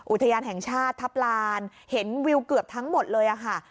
อุทยานแห่งชาติทัพลานเห็นวิวเกือบทั้งหมดเลยค่ะ